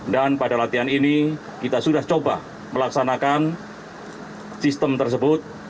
dan pada latihan ini kita sudah coba melaksanakan sistem tersebut